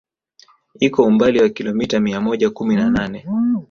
Iko umbali wa kilomita mia moja kumi na nane